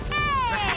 ハハハハ！